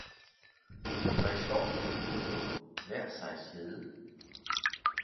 Og det var i skoven ved Gudenå, nær Sejshede.